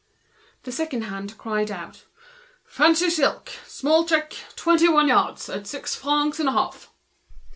The second hand cried out: "Fancy silk, small check, twenty one yards, at six francs and a half."